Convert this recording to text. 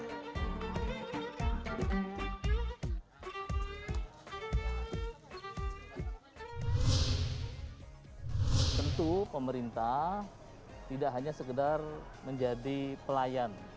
tentu pemerintah tidak hanya sekedar menjadi pelayan